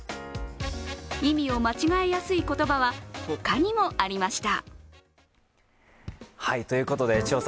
意味を間違えやすい言葉は他にもありました。